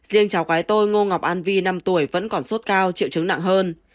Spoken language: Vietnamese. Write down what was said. riêng cháu gái tôi ngô ngọc an vi năm tuổi vẫn còn sốt cao triệu chứng nặng hơn